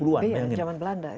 iya jaman belanda